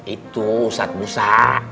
itu saat musa